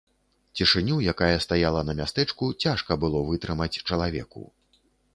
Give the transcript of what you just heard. Цішыню, якая стаяла на мястэчку, цяжка было вытрымаць чалавеку.